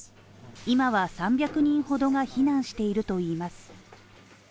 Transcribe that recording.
今は３００人ほどが避難しているといいます。